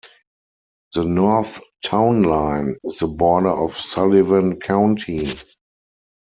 The north town line is the border of Sullivan County.